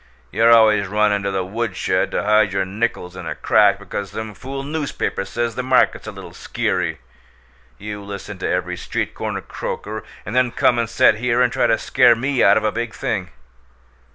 You're always runnin' to the woodshed to hide your nickels in a crack because some fool newspaper says the market's a little skeery! You listen to every street corner croaker and then come and set here and try to scare ME out of a big thing!